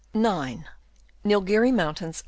Nilgiri Mountains, S.